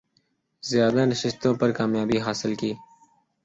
زیادہ نشستوں پر کامیابی حاصل کی